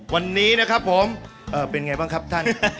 เป็นอย่างไรบ้างครับท่าน